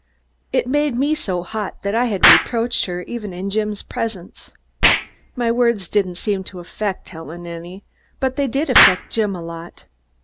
It had made me so hot that I had reproached her even in Jim's presence. My words didn't seem to affect Helen any, but they did affect Jim a lot.